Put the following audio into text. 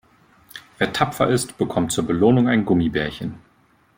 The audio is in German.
Wer tapfer ist, bekommt zur Belohnung ein Gummibärchen.